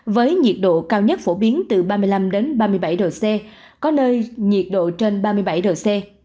với nhiệt độ cao nhất phổ biến từ ba mươi năm ba mươi bảy độ c có nơi nhiệt độ trên ba mươi bảy độ c